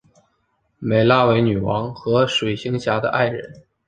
湄拉为女王和水行侠的爱人。